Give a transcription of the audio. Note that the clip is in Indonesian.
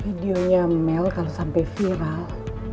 video nya mel kalau sampai viral